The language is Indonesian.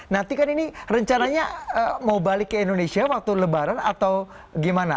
nanti kan ini rencananya mau balik ke indonesia waktu lebaran atau gimana